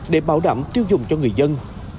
để bảo đảm tiêu dùng cho người dân